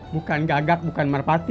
bukan gagak bukan merpati